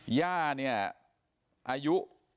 หญ้านี้อายุ